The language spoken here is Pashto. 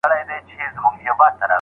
جانانه ستا د يادولو کيسه ختمه نه ده